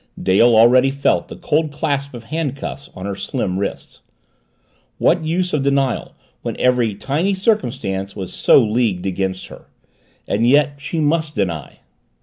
Dale already felt the cold clasp of handcuffs on her slim wrists. What use of denial when every tiny circumstance was so leagued against her? And yet she must deny.